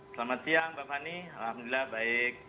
selamat siang pak fahmi alhamdulillah baik